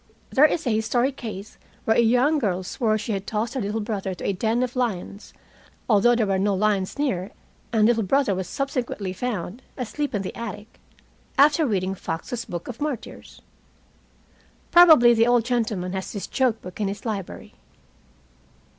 There is a historic case where a young girl swore she had tossed her little brother to a den of lions (although there were no lions near, and little brother was subsequently found asleep in the attic) after reading Fox's Book of Martyrs. Probably the old gentleman has this joke book in his library."